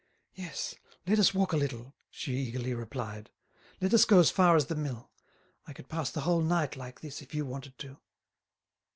"Yes, let us walk a little," she eagerly replied. "Let us go as far as the mill. I could pass the whole night like this if you wanted to."